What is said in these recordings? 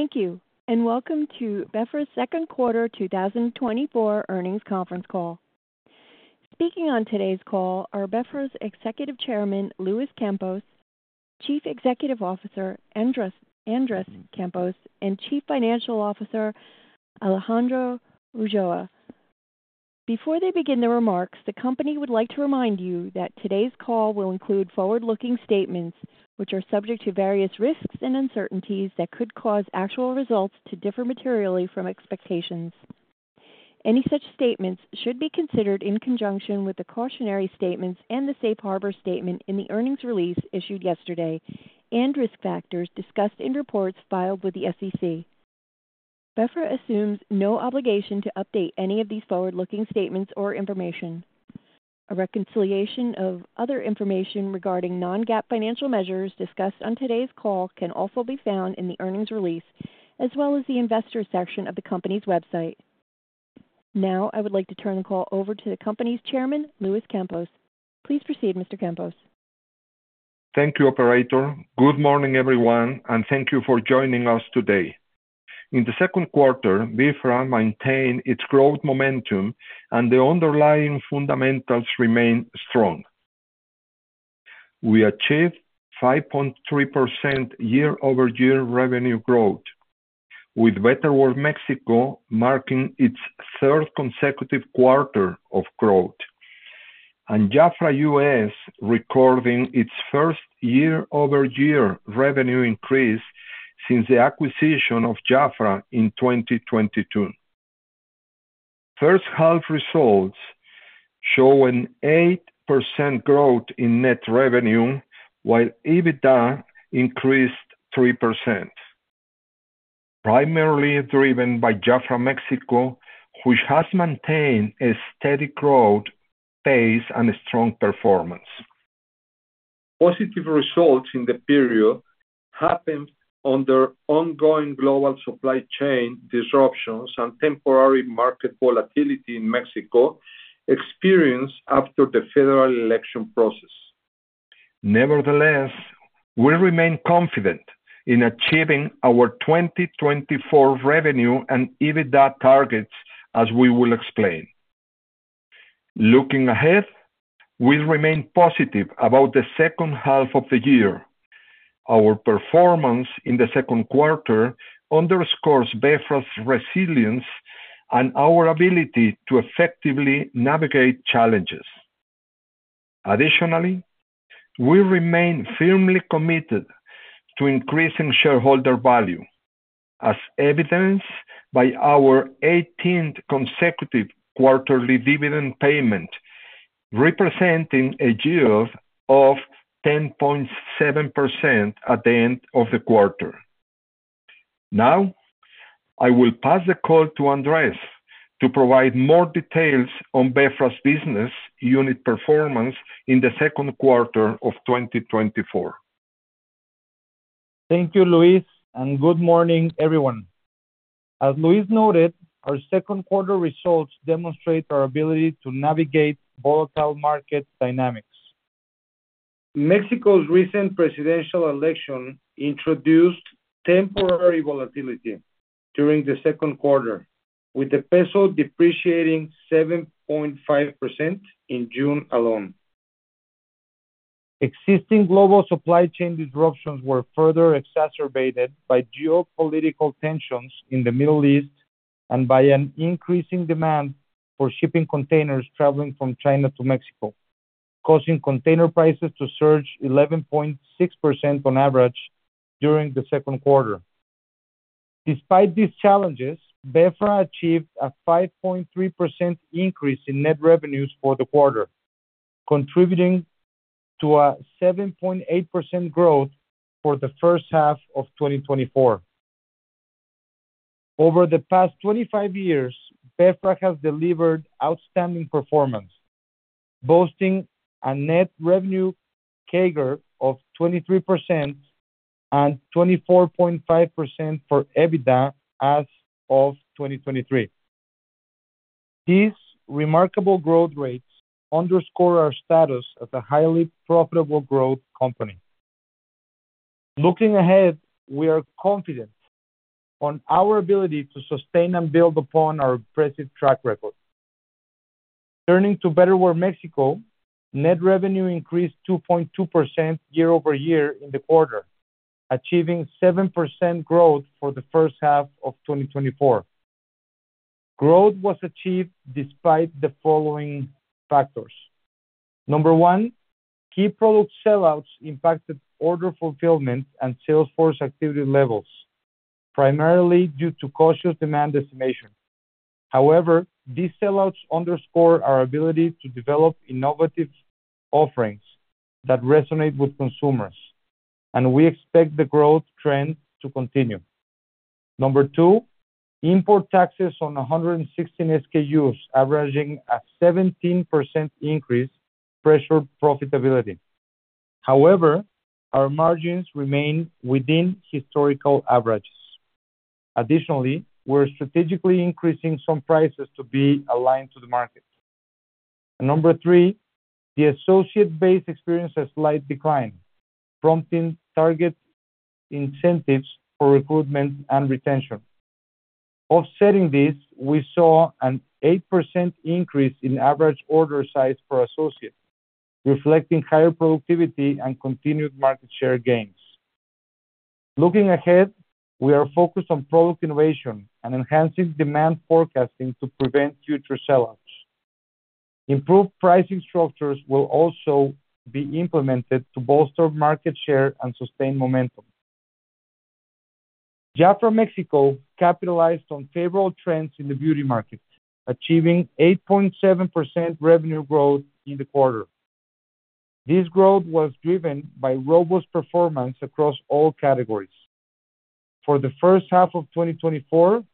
Thank you, and welcome to Betterware's second quarter 2024 earnings conference call. Speaking on today's call are Betterware's Executive Chairman Luis Campos, Chief Executive Officer Andres Campos, and Chief Financial Officer Alejandro Ulloa. Before they begin their remarks, the company would like to remind you that today's call will include forward-looking statements, which are subject to various risks and uncertainties that could cause actual results to differ materially from expectations. Any such statements should be considered in conjunction with the cautionary statements and the Safe Harbor statement in the earnings release issued yesterday, and risk factors discussed in reports filed with the SEC. Betterware assumes no obligation to update any of these forward-looking statements or information. A reconciliation of other information regarding non-GAAP financial measures discussed on today's call can also be found in the earnings release, as well as the investor section of the company's website. Now, I would like to turn the call over to the company's Chairman, Luis Campos. Please proceed, Mr. Campos. Thank you, Operator. Good morning, everyone, and thank you for joining us today. In the second quarter, BeFra maintained its growth momentum, and the underlying fundamentals remain strong. We achieved 5.3% year-over-year revenue growth, with Betterware Mexico marking its third consecutive quarter of growth, and JAFRA US recording its first year-over-year revenue increase since the acquisition of JAFRA in 2022. First-half results show an 8% growth in net revenue, while EBITDA increased 3%, primarily driven by JAFRA Mexico, which has maintained a steady growth pace and strong performance. Positive results in the period happened under ongoing global supply chain disruptions and temporary market volatility in Mexico experienced after the federal election process. Nevertheless, we remain confident in achieving our 2024 revenue and EBITDA targets, as we will explain. Looking ahead, we remain positive about the second half of the year. Our performance in the second quarter underscores Betterware's resilience and our ability to effectively navigate challenges. Additionally, we remain firmly committed to increasing shareholder value, as evidenced by our 18th consecutive quarterly dividend payment, representing a yield of 10.7% at the end of the quarter. Now, I will pass the call to Andres to provide more details on Betterware's business unit performance in the second quarter of 2024. Thank you, Luis, and good morning, everyone. As Luis noted, our second-quarter results demonstrate our ability to navigate volatile market dynamics. Mexico's recent presidential election introduced temporary volatility during the second quarter, with the peso depreciating 7.5% in June alone. Existing global supply chain disruptions were further exacerbated by geopolitical tensions in the Middle East and by an increasing demand for shipping containers traveling from China to Mexico, causing container prices to surge 11.6% on average during the second quarter. Despite these challenges, Betterware achieved a 5.3% increase in net revenues for the quarter, contributing to a 7.8% growth for the first half of 2024. Over the past 25 years, Betterware has delivered outstanding performance, boasting a net revenue CAGR of 23% and 24.5% for EBITDA as of 2023. These remarkable growth rates underscore our status as a highly profitable growth company. Looking ahead, we are confident in our ability to sustain and build upon our impressive track record. Turning to Betterware Mexico, net revenue increased 2.2% year-over-year in the quarter, achieving 7% growth for the first half of 2024. Growth was achieved despite the following factors: Number 1, key product sellouts impacted order fulfillment and Sales force activity levels, primarily due to cautious demand estimation. However, these sellouts underscore our ability to develop innovative offerings that resonate with consumers, and we expect the growth trend to continue. Number 2, import taxes on 116 SKUs averaging a 17% increase pressured profitability. However, our margins remain within historical averages. Additionally, we're strategically increasing some prices to be aligned to the market. Number 3, the associate base experienced a slight decline, prompting target incentives for recruitment and retention. Offsetting this, we saw an 8% increase in average order size per associate, reflecting higher productivity and continued market share gains. Looking ahead, we are focused on product innovation and enhancing demand forecasting to prevent future sellouts. Improved pricing structures will also be implemented to bolster market share and sustain momentum. JAFRA Mexico capitalized on favorable trends in the beauty market, achieving 8.7% revenue growth in the quarter. This growth was driven by robust performance across all categories. For the first half of 2024,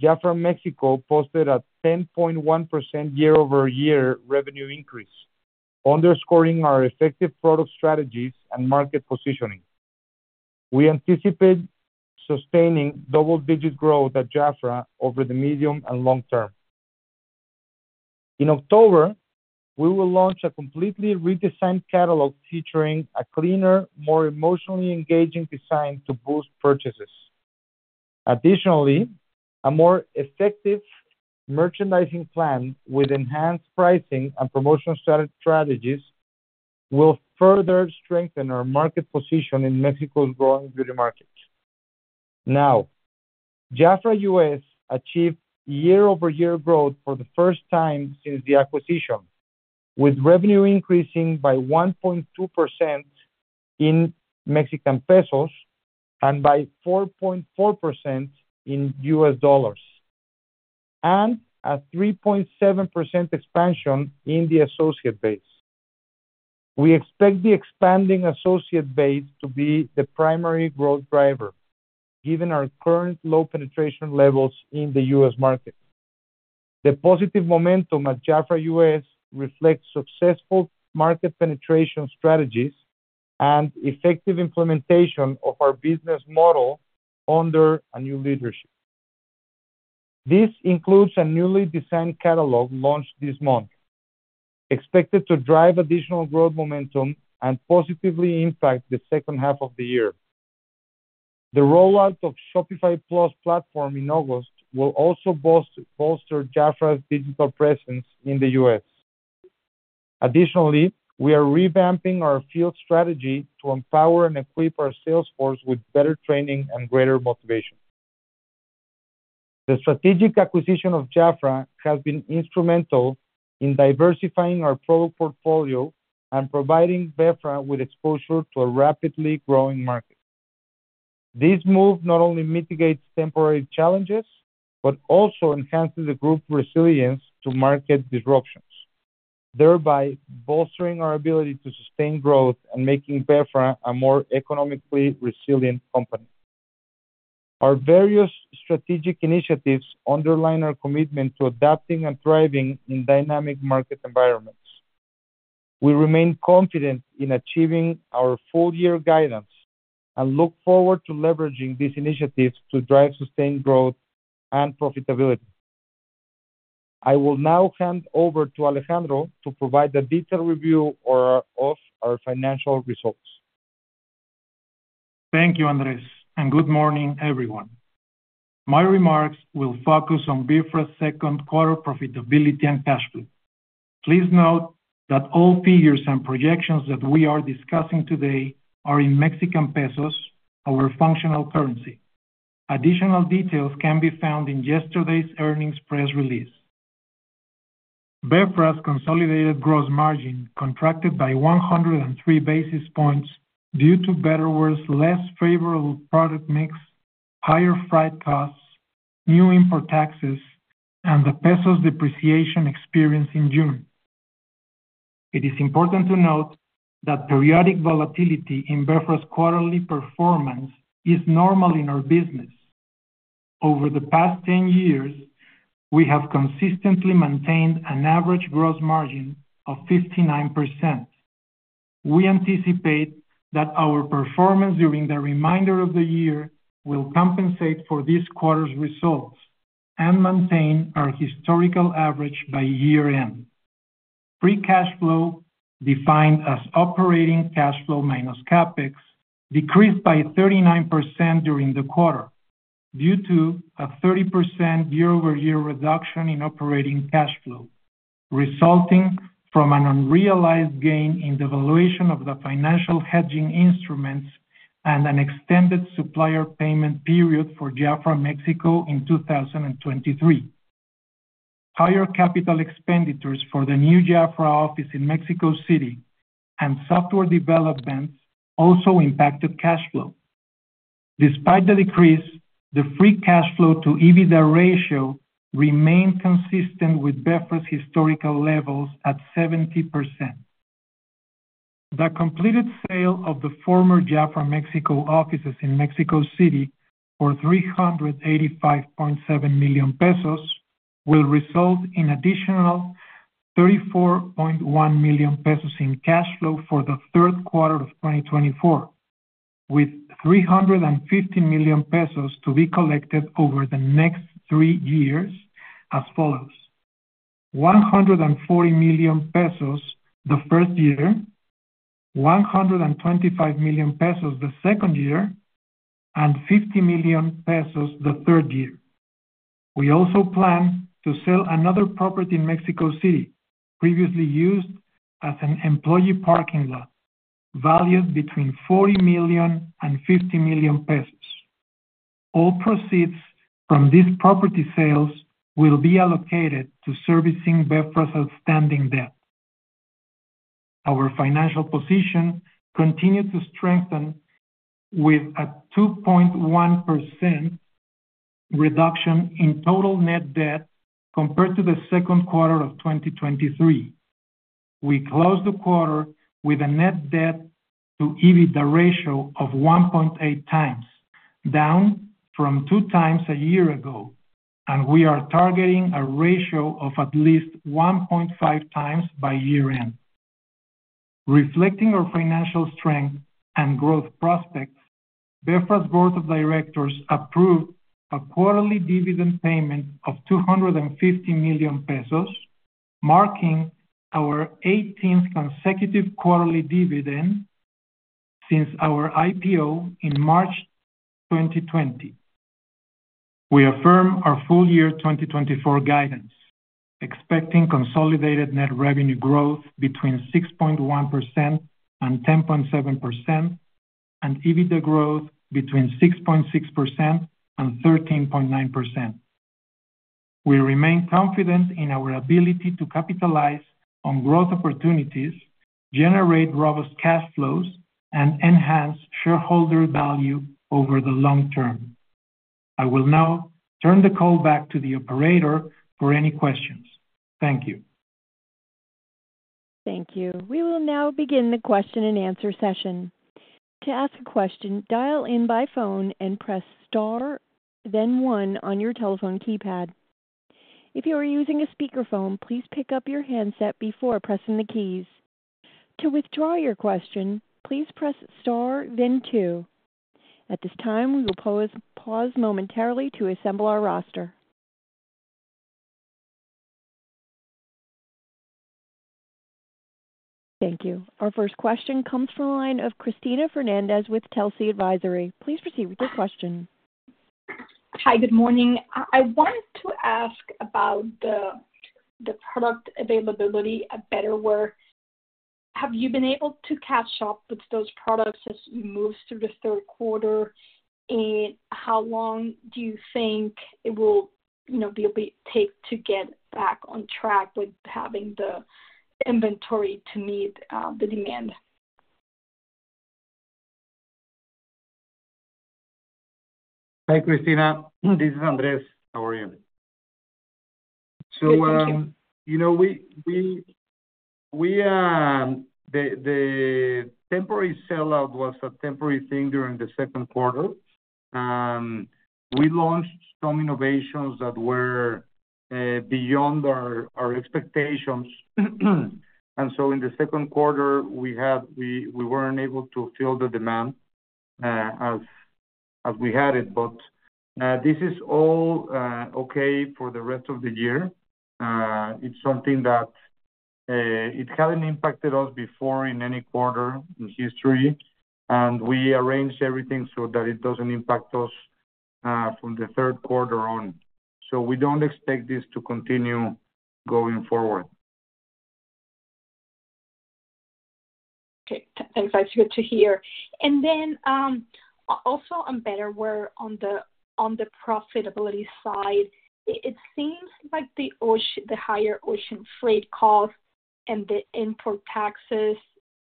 JAFRA Mexico posted a 10.1% year-over-year revenue increase, underscoring our effective product strategies and market positioning. We anticipate sustaining double-digit growth at JAFRA over the medium and long term. In October, we will launch a completely redesigned catalog featuring a cleaner, more emotionally engaging design to boost purchases. Additionally, a more effective merchandising plan with enhanced pricing and promotional strategies will further strengthen our market position in Mexico's growing beauty market. Now, JAFRA US achieved year-over-year growth for the first time since the acquisition, with revenue increasing by 1.2% in Mexican pesos and by 4.4% in US dollars, and a 3.7% expansion in the associate base. We expect the expanding associate base to be the primary growth driver, given our current low penetration levels in the US market. The positive momentum at JAFRA US reflects successful market penetration strategies and effective implementation of our business model under a new leadership. This includes a newly designed catalog launched this month, expected to drive additional growth momentum and positively impact the second half of the year. The rollout of Shopify Plus platform in August will also bolster JAFRA's digital presence in the US. Additionally, we are revamping our field strategy to empower and equip our Salesforce with better training and greater motivation. The strategic acquisition of JAFRA has been instrumental in diversifying our product portfolio and providing Betterware with exposure to a rapidly growing market. This move not only mitigates temporary challenges but also enhances the group's resilience to market disruptions, thereby bolstering our ability to sustain growth and making Betterware a more economically resilient company. Our various strategic initiatives underline our commitment to adapting and thriving in dynamic market environments. We remain confident in achieving our full-year guidance and look forward to leveraging these initiatives to drive sustained growth and profitability. I will now hand over to Alejandro to provide a detailed review of our financial results. Thank you, Andres, and good morning, everyone. My remarks will focus on Betterware's second-quarter profitability and cash flow. Please note that all figures and projections that we are discussing today are in Mexican pesos, our functional currency. Additional details can be found in yesterday's earnings press release. Betterware's consolidated gross margin contracted by 103 basis points due to Betterware's less favorable product mix, higher flight costs, new import taxes, and the pesos depreciation experienced in June. It is important to note that periodic volatility in Betterware's quarterly performance is normal in our business. Over the past 10 years, we have consistently maintained an average gross margin of 59%. We anticipate that our performance during the remainder of the year will compensate for this quarter's results and maintain our historical average by year-end. Free cash flow, defined as operating cash flow minus CapEx, decreased by 39% during the quarter due to a 30% year-over-year reduction in operating cash flow, resulting from an unrealized gain in the valuation of the financial hedging instruments and an extended supplier payment period for JAFRA Mexico in 2023. Higher capital expenditures for the new JAFRA office in Mexico City and software development also impacted cash flow. Despite the decrease, the free cash flow to EBITDA ratio remained consistent with Betterware's historical levels at 70%. The completed sale of the former JAFRA Mexico offices in Mexico City for 385.7 million pesos will result in additional 34.1 million pesos in cash flow for the third quarter of 2024, with 350 million pesos to be collected over the next three years as follows: 140 million pesos the first year, 125 million pesos the second year, and 50 million pesos the third year. We also plan to sell another property in Mexico City, previously used as an employee parking lot, valued between 40 million and 50 million pesos. All proceeds from these property sales will be allocated to servicing Betterware's outstanding debt. Our financial position continued to strengthen with a 2.1% reduction in total net debt compared to the second quarter of 2023. We closed the quarter with a net debt to EBITDA ratio of 1.8 times, down from 2 times a year ago, and we are targeting a ratio of at least 1.5 times by year-end. Reflecting our financial strength and growth prospects, Betterware's board of directors approved a quarterly dividend payment of 250 million pesos, marking our 18th consecutive quarterly dividend since our IPO in March 2020. We affirm our full-year 2024 guidance, expecting consolidated net revenue growth between 6.1% and 10.7% and EBITDA growth between 6.6% and 13.9%. We remain confident in our ability to capitalize on growth opportunities, generate robust cash flows, and enhance shareholder value over the long term. I will now turn the call back to the operator for any questions. Thank you. Thank you. We will now begin the question and answer session. To ask a question, dial in by phone and press star, then one on your telephone keypad. If you are using a speakerphone, please pick up your handset before pressing the keys. To withdraw your question, please press star, then two. At this time, we will pause momentarily to assemble our roster. Thank you. Our first question comes from the line of Cristina Fernández with Telsey Advisory. Please proceed with your question. Hi, good morning. I wanted to ask about the product availability at Betterware. Have you been able to catch up with those products as you move through the third quarter, and how long do you think it will take to get back on track with having the inventory to meet the demand? Hi, Cristina. This is Andrés. How are you? Good, thank you. So, the temporary sellout was a temporary thing during the second quarter. We launched some innovations that were beyond our expectations. And so in the second quarter, we weren't able to fill the demand as we had it. But this is all okay for the rest of the year. It's something that it hadn't impacted us before in any quarter in history, and we arranged everything so that it doesn't impact us from the third quarter on. So we don't expect this to continue going forward. Okay. That's good to hear. And then also on Betterware, on the profitability side, it seems like the higher ocean freight costs and the import taxes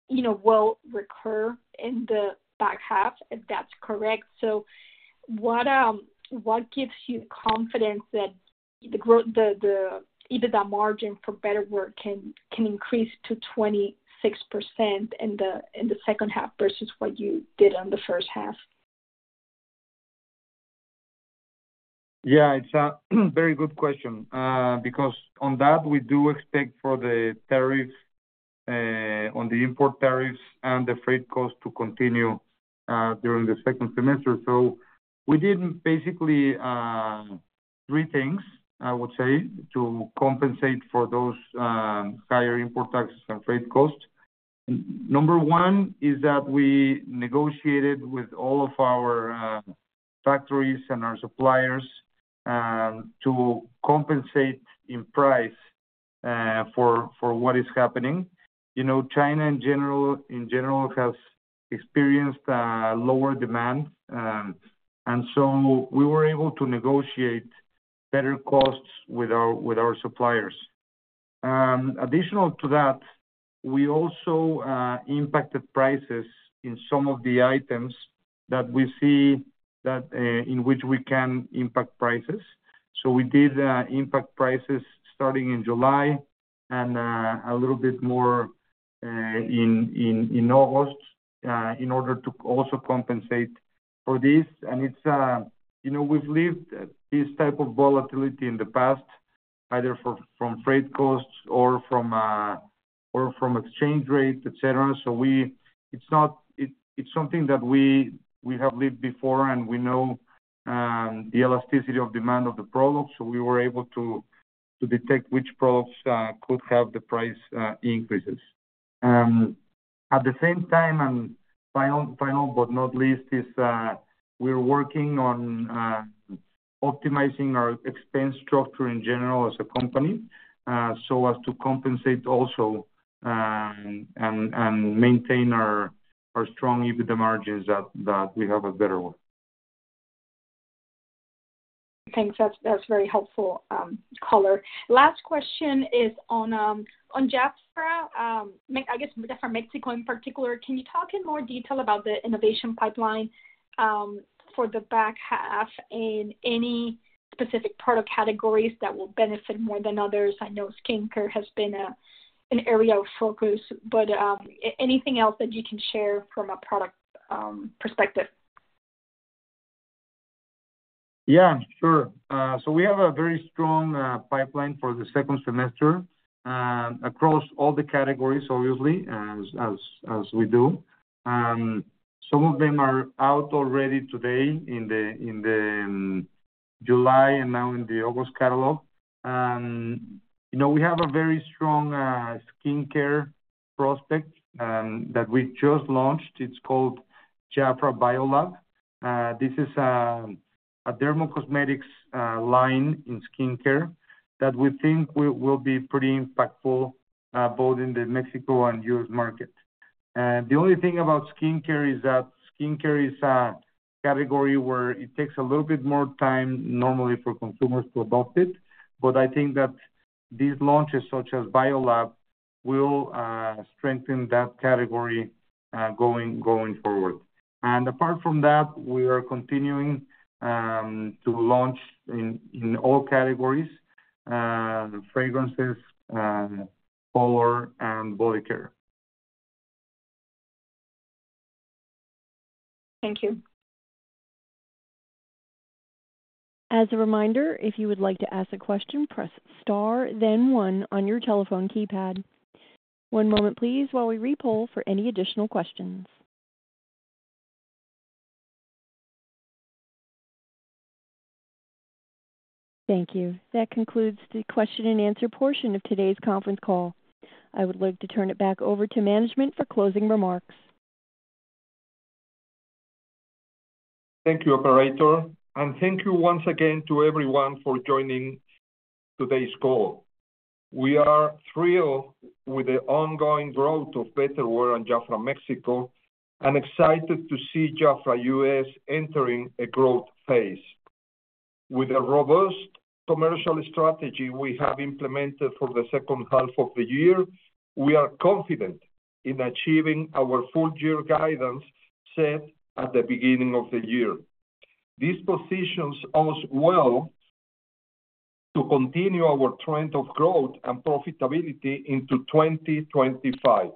will recur in the back half, if that's correct. So what gives you confidence that the EBITDA margin for Betterware can increase to 26% in the second half versus what you did on the first half? Yeah, it's a very good question because on that, we do expect for the tariffs on the import tariffs and the freight costs to continue during the second semester. So we did basically three things, I would say, to compensate for those higher import taxes and freight costs. Number one is that we negotiated with all of our factories and our suppliers to compensate in price for what is happening. China, in general, has experienced lower demand, and so we were able to negotiate better costs with our suppliers. Additional to that, we also impacted prices in some of the items that we see in which we can impact prices. So we did impact prices starting in July and a little bit more in August in order to also compensate for this. And we've lived this type of volatility in the past, either from freight costs or from exchange rate, etc. So it's something that we have lived before, and we know the elasticity of demand of the product. So we were able to detect which products could have the price increases. At the same time, and final but not least, is we're working on optimizing our expense structure in general as a company so as to compensate also and maintain our strong EBITDA margins that we have at Betterware. Thanks. That's very helpful, Calor. Last question is on JAFRA, I guess JAFRA Mexico in particular. Can you talk in more detail about the innovation pipeline for the back half and any specific product categories that will benefit more than others? I know skincare has been an area of focus, but anything else that you can share from a product perspective? Yeah, sure. So we have a very strong pipeline for the second semester across all the categories, obviously, as we do. Some of them are out already today in the July and now in the August catalog. We have a very strong skincare prospect that we just launched. It's called JAFRA BioLab. This is a dermocosmetics line in skincare that we think will be pretty impactful both in the Mexico and US market. The only thing about skincare is that skincare is a category where it takes a little bit more time normally for consumers to adopt it. But I think that these launches such as BioLab will strengthen that category going forward. And apart from that, we are continuing to launch in all categories: fragrances, color, and body care. Thank you. As a reminder, if you would like to ask a question, press star, then one on your telephone keypad. One moment, please, while we re-poll for any additional questions. Thank you. That concludes the question and answer portion of today's conference call. I would like to turn it back over to management for closing remarks. Thank you, Operator. Thank you once again to everyone for joining today's call. We are thrilled with the ongoing growth of Betterware and JAFRA Mexico and excited to see JAFRA US entering a growth phase. With the robust commercial strategy we have implemented for the second half of the year, we are confident in achieving our full-year guidance set at the beginning of the year. This positions us well to continue our trend of growth and profitability into 2025.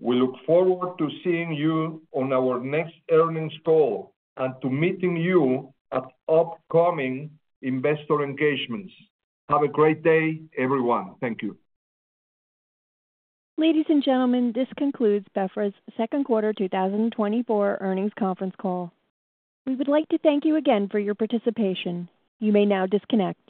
We look forward to seeing you on our next earnings call and to meeting you at upcoming investor engagements. Have a great day, everyone. Thank you. Ladies and gentlemen, this concludes Betterware's second quarter 2024 earnings conference call. We would like to thank you again for your participation. You may now disconnect.